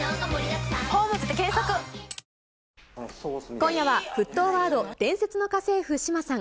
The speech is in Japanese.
今夜は、沸騰ワード、伝説の家政婦志麻さん